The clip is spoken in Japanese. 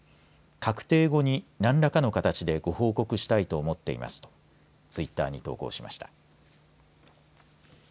確定後に何らかの形でご報告したいと思っていますとツイッターに投稿しました。